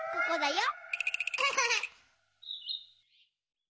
ここだよ。